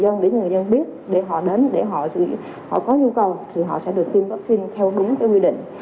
dân để người dân biết để họ đến để họ có nhu cầu thì họ sẽ được tiêm vaccine theo đúng cái quy định